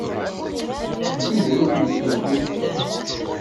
Anda ay asent-tkellxem?